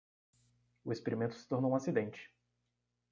O experimento se tornou um acidente.